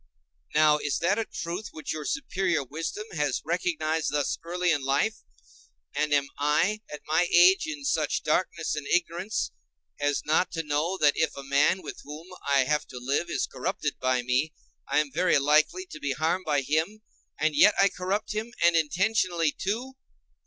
Now is that a truth which your superior wisdom has recognized thus early in life, and am I, at my age, in such darkness and ignorance as not to know that if a man with whom I have to live is corrupted by me, I am very likely to be harmed by him, and yet I corrupt him, and intentionally, too?